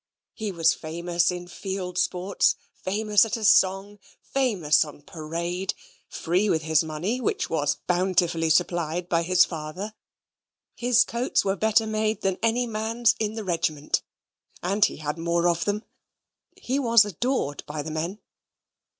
He was famous in field sports, famous at a song, famous on parade; free with his money, which was bountifully supplied by his father. His coats were better made than any man's in the regiment, and he had more of them. He was adored by the men.